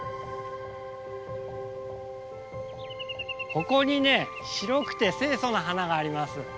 ここにね白くて清楚な花があります。